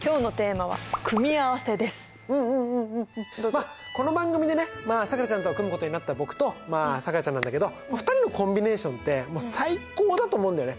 まあこの番組でねさくらちゃんと組むことになった僕とまあさくらちゃんなんだけど２人のコンビネーションって最高だと思うんだよね。